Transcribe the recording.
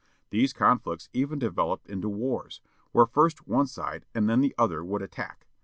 These "conflicts even developed into wars, where first one side, and then the other, would attack.